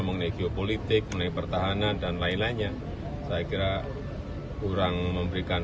mengenai geopolitik mengenai pertahanan dan lain lainnya saya kira kurang memberikan